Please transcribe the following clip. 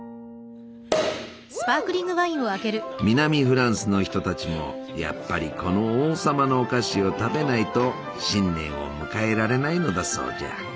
南フランスの人たちもやっぱりこの王様のお菓子を食べないと新年を迎えられないのだそうじゃ。